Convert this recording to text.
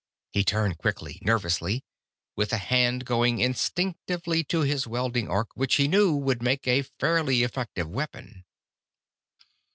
He turned quickly, nervously, with a hand going instinctively to his welding arc, which, he knew, would make a fairly effective weapon.